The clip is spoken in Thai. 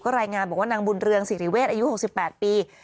รายงานบอกว่านางบุญเรืองศิริเวศอายุ๖๘ปี